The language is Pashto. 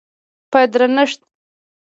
په درنښت